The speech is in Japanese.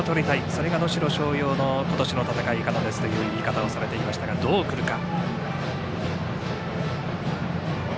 それが能代松陽の今年の戦い方という見方をしていましたがどう来るか。